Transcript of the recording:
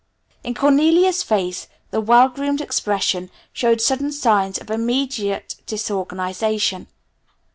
In Cornelia's face the well groomed expression showed sudden signs of immediate disorganization.